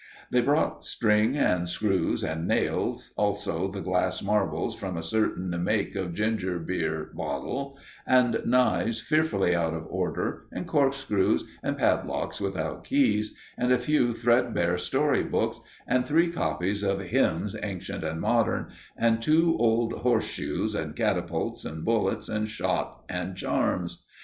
They brought string and screws and nails, also the glass marbles from a certain make of ginger beer bottle, and knives fearfully out of order, and corkscrews, and padlocks without keys, and a few threadbare story books, and three copies of Hymns Ancient and Modern, and two old horseshoes, and catapults and bullets and shot and charms.